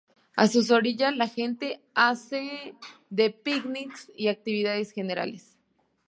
A sus orillas la gente hace de picnics y actividades generales.